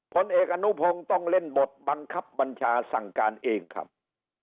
ผลเอกอนุพงศ์ต้องเล่นบทบังคับบัญชาสั่งการเองครับ